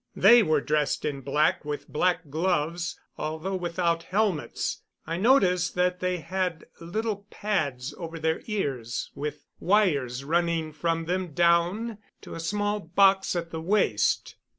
They were dressed in black, with black gloves, although without helmets. I noticed that they had little pads over their ears, with wires running from them down to a small box at the waist.